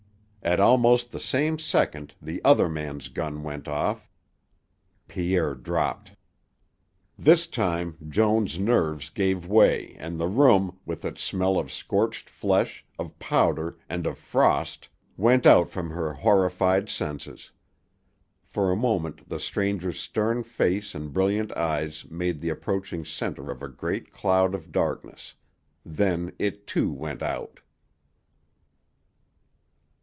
At almost the same second the other's gun went off. Pierre dropped. This time Joan's nerves gave way and the room, with its smell of scorched flesh, of powder, and of frost, went out from her horrified senses. For a moment the stranger's stern face and brilliant eyes made the approaching center of a great cloud of darkness, then it too went out.